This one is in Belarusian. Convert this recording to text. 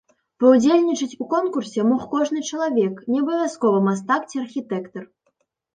Паўдзельнічаць у конкурсе мог кожны чалавек, не абавязкова мастак ці архітэктар.